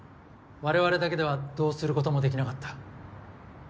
われわれだけではどうすることもできなかった。